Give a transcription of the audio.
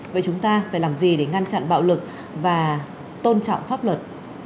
vậy chúng ta phải làm gì để ngăn chặn bạo lực và tôn trọng pháp luật